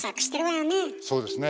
そうですね。